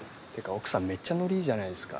奥さんめっちゃノリいいじゃないですか。